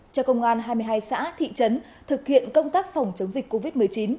cho công an hai mươi hai xã thị trấn thực hiện công tác phòng chống dịch covid một mươi chín